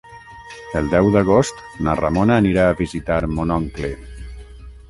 El deu d'agost na Ramona anirà a visitar mon oncle.